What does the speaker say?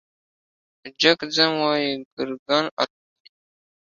که جگ ځم وايي کرکان الوزوې ،